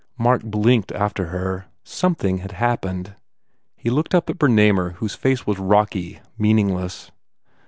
Mark blinked after her. Something had happened. He looked up at Bernamer whose face was rocky, meaningless.